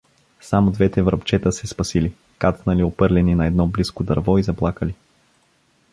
Само двете врабчета се спасили, кацнали опърлени на едно близко дърво и заплакали.